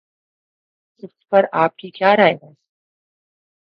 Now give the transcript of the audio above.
اس پر آپ کی کیا رائے ہے؟